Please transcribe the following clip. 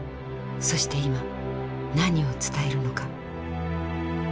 そして今何を伝えるのか。